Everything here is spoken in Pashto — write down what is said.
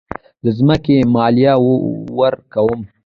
د ځمکې مالیه ورکوئ؟